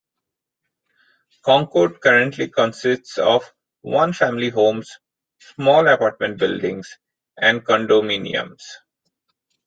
Concord currently consists of one-family homes, small apartment buildings, and condominiums.